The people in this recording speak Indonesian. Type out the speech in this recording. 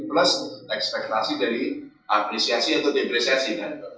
plus ekspektasi dari apresiasi atau depresiasi